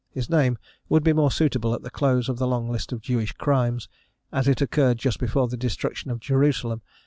His name would be more suitable at the close of the long list of Jewish crimes, as it occurred just before the destruction of Jerusalem.